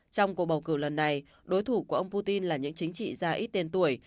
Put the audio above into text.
trong cuộc bầu cử lần này đối thủ của ông putin là những chính trị gia ít tên tuổi